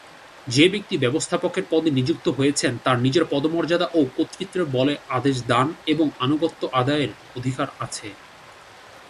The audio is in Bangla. যে ব্যক্তি ব্যবস্থাপকের পদে নিযুক্ত হয়েছেন, তার নিজের পদমর্যাদা ও কর্তৃত্বের বলে আদেশ দান এবং আনুগত্য আদায়ের অধিকার আছে।